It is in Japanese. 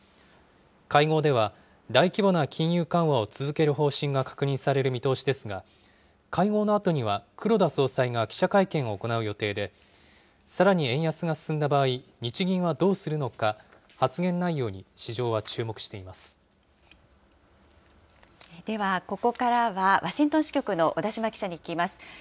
会合では、大規模な金融緩和を続ける方針が確認される見通しですが、会合のあとには黒田総裁が記者会見を行う予定で、さらに円安が進んだ場合、日銀はどうするのか、では、ここからはワシントン支局の小田島記者に聞きます。